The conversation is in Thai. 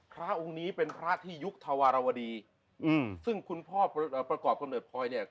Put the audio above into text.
พระองค์นี้เป็นพระที่ยุคธวารวดีอืมซึ่งคุณพ่อประกอบกำเนิดพลอยเนี่ย